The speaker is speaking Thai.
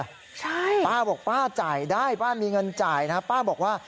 ใช่ป้าบอกป้าจ่ายได้ป้ามีเงินจ่ายนะป้าบอกว่า